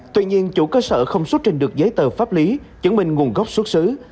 tuy nhiên chủ cơ sở không xuất trình được giấy tờ pháp lý chứng minh nguồn gốc xuất xứ